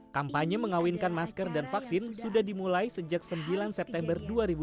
kampanye mengawinkan masker dan vaksin sudah dimulai sejak sembilan september dua ribu dua puluh